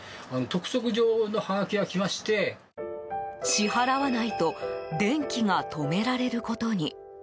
支払わないと電気が止められることに。